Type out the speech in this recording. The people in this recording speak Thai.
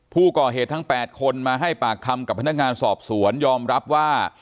ผู้ก่อเหตุทั้ง๘คนมาให้ปากคำกับพนักงานสอบสวนยอมรับว่า